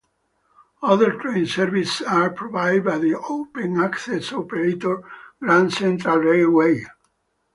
Other train services are provided by the open-access operator Grand Central Railway.